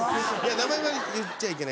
名前は言っちゃいけない。